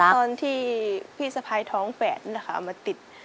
ตอนที่พี่สะพายท้องแฝดนะคะมาติด